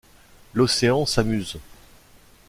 L’océan s’amuse.